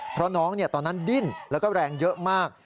เพราะน้องตอนนั้นดิ้นแล้วก็แรงเยอะมาก